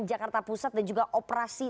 jakarta pusat dan juga operasi